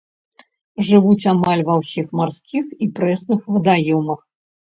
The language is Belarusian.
Жывуць амаль ва ўсіх марскіх і прэсных вадаёмах.